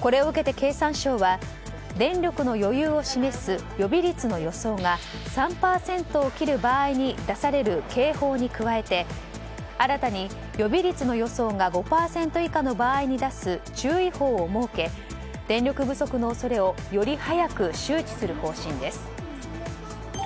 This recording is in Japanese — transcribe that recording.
これを受けて経産省は電力の余裕を示す予備率の予想が３％を切る場合に出される警報に加えて、新たに予備率の予想が５％以下の場合に出す、注意報を設け電力不足の恐れをより早く周知する方針です。